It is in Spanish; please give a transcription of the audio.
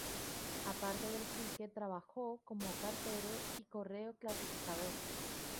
Aparte del críquet, trabajó como cartero y correo clasificador.